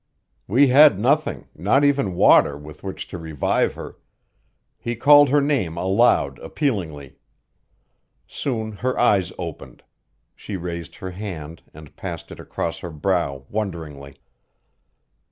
We had nothing, not even water, with which to revive her; he called her name aloud appealingly. Soon her eyes opened; she raised her hand and passed it across her brow wonderingly.